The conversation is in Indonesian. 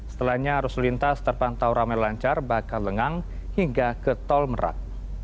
setelahnya arus lintas terpantau ramai lancar bakal lengang hingga ke tol merak